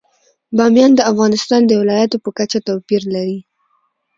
بامیان د افغانستان د ولایاتو په کچه توپیر لري.